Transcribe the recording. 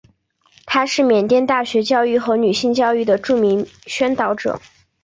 他是缅甸大学教育和女性教育的著名宣导者。